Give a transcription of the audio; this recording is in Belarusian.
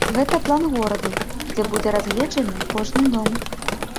Гэта план гораду, дзе будзе разгледжаны кожны дом.